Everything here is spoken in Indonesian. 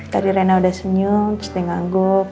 tadi rena udah senyum terus dia ngangguk